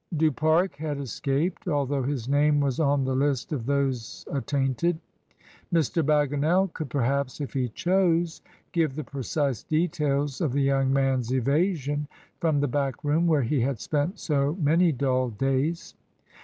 Du Pare had escaped, although his name was on the list of those attainted. Mr. Bagginal could, 286 MRS. DYMOND. perhaps, if he chose, give the precise details of the young man's evasion from the back room where he had spent so many dull days.